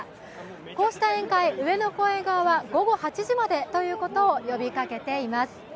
こうした宴会、上野公園側は午後８時までということを呼びかけています。